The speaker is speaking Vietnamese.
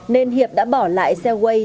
nên hiệp đã bỏ lại xe quay